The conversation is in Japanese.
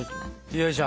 よいしょ。